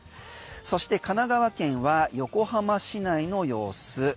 そして神奈川県は横浜市内の様子。